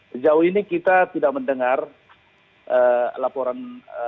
sejauh ini kita tidak mendengar laporan